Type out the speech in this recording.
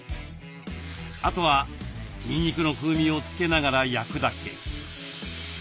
あとはにんにくの風味を付けながら焼くだけ。